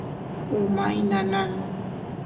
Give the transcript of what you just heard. umay nanan